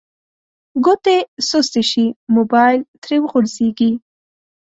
ګوتې سستې شي موبایل ترې وغورځیږي